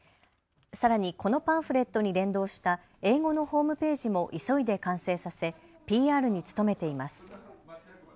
さらにこのパンフレットに連動した英語のホームページも急いで完成させＰＲに努めています。